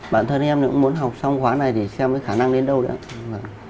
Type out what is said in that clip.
bản thân em cũng muốn học xong khoảng này thì xem cái khả năng đến đâu nữa